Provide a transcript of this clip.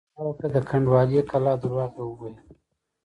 چا چې مبالغه وکړه د کنډوالې کلا درواغ یې وویل.